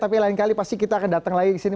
tapi lain kali pasti kita akan datang lagi ke sini